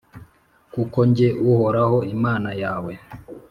Kuko jye, Uhoraho, Imana yawe,